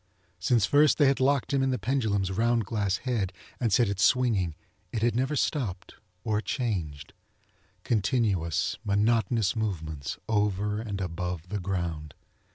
Since first they had locked him in the pendulum's round glass head and set if swinging it had never stopped or changed. Continuous, monotonous movements over and above the ground.